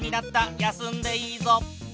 休んでいいぞ。